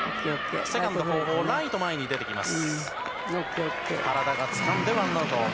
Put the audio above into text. セカンド後方、ライト、前に出てきます。